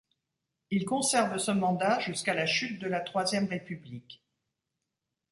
Il conserve ce mandat jusqu'à la chute de la Troisième République.